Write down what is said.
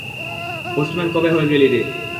Postman কবে হয়ে গেলি রে?